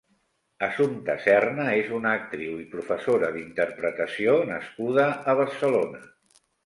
Assumpta Serna és una actriu i professora d'interpretació nascuda a Barcelona.